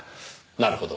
なるほど。